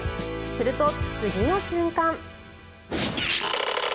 すると、次の瞬間。